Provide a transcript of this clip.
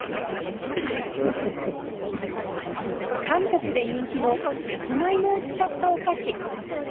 韓国で人気のさつまいもを使ったお菓子